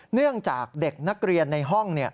เนื่องจากเด็กนักเรียนในห้อง